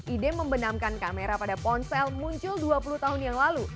ide membenamkan kamera pada ponsel muncul dua puluh tahun yang lalu